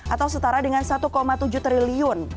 atau setara dengan satu tujuh triliun